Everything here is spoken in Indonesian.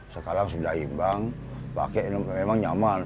sekarang sudah imbang pakai memang nyaman